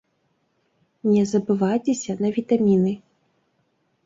Не забывайцеся на вітаміны.